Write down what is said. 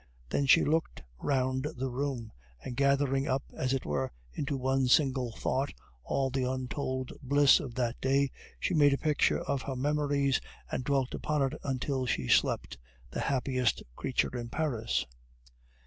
Then she looked round the room, and gathering up, as it were, into one single thought all the untold bliss of that day, she made a picture of her memories, and dwelt upon it until she slept, the happiest creature in Paris.